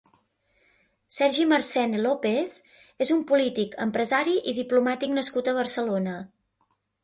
Sergi Marcén i López és un polític, empresari i diplomàtic nascut a Barcelona.